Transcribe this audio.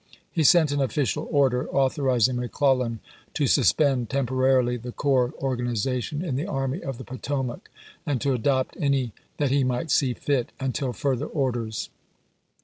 He sent an official order, authorizing McClellan to suspend tempo rarily the corps organization in the Army of the Potomac, and to adopt any that he might see fit, until further orders.